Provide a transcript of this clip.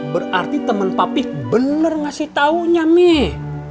berarti temen papi bener ngasih taunya mie